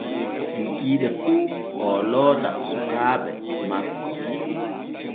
Kikiiɗe fu o loota sukaaɓe makko.